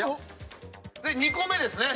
２個目ですね。